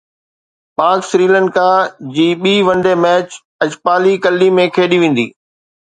پاڪ سريلنڪا سيريز جي ٻي ون ڊي ميچ اجپالي ڪلي ۾ کيڏي ويندي